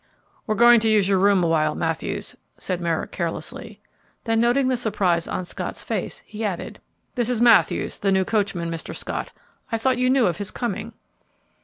"We are going to use your room a while, Matthews," said Merrick, carelessly. Then, noting the surprise on Scott's face, he added, "This is Matthews, the new coachman, Mr. Scott. I thought you knew of his coming."